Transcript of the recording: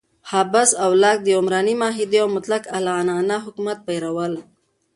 هابس او لاک د عمراني معاهدې او مطلق العنانه حکومت پیر ول.